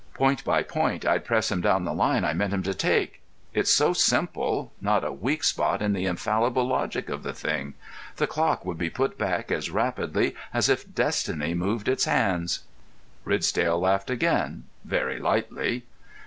Point by point I'd press him down the line I meant him to take. It's so simple—not a weak spot in the infallible logic of the thing. The clock would be put back as rapidly as if destiny moved its hands." Ridsdale laughed again, very lightly.